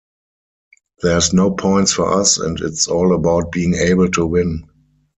There's no points for us and it's all about being able to win.